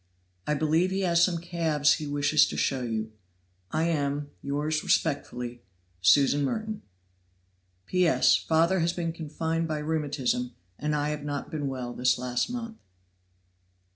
"I believe he has some calves he wishes to show you. "I am, yours respectfully, "SUSAN MERTON. "P. S. Father has been confined by rheumatism, and I have not been well this last month."